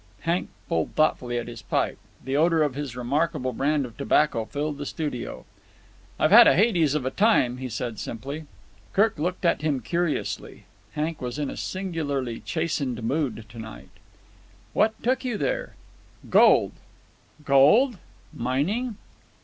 Hank pulled thoughtfully at his pipe. The odour of his remarkable brand of tobacco filled the studio. "I've had a Hades of a time," he said simply. Kirk looked at him curiously. Hank was in a singularly chastened mood to night. "What took you there?" "Gold." "Gold? Mining?"